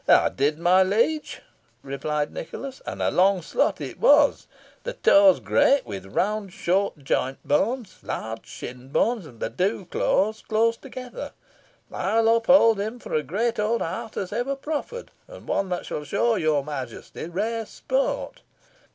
"I did, my liege," replied Nicholas. "And a long slot it was; the toes great, with round short joint bones, large shin bones, and the dew claws close together. I will uphold him for a great old hart as ever proffered, and one that shall shew your Majesty rare sport."